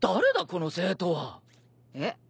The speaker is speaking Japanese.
この生徒は！えっ？